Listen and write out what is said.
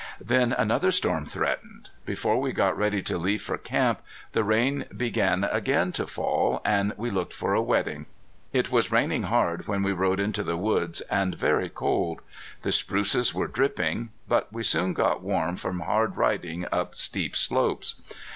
Then another storm threatened. Before we got ready to leave for camp the rain began again to fall, and we looked for a wetting. It was raining hard when we rode into the woods and very cold. The spruces were dripping. But we soon got warm from hard riding up steep slopes.